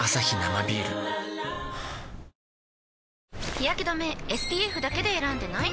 日やけ止めＳＰＦだけで選んでない？